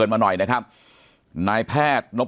สวัสดีครับทุกผู้ชม